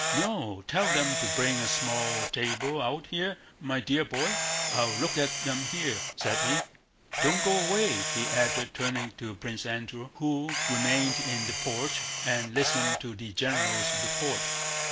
"No, tell them to bring a small table out here, my dear boy. I'll look at them here," said he. "Don't go away," he added, turning to Prince Andrew, who remained in the porch and listened to the general's report.